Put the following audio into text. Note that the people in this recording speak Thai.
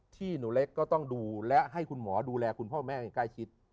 ที่หนูเล็กก็ต้องดูและให้คุณหมอดูแลคุณพ่อแม่อย่างใกล้ชิด